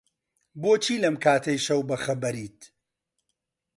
بۆچی لەم کاتەی شەو بەخەبەریت؟